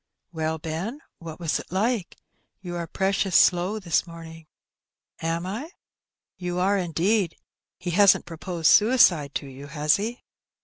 "Well, Ben, what was it like? You are precious slow this morning." "Am I?" "You are, indeed. He hasn't proposed suicide to you, has he?"